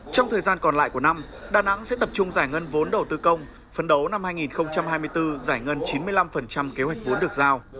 trong thời gian còn lại của năm đà nẵng sẽ tập trung giải ngân vốn đầu tư công phấn đấu năm hai nghìn hai mươi bốn giải ngân chín mươi năm kế hoạch vốn được giao